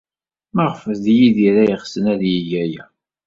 Maɣef d Yidir ay ɣsen ad yeg aya?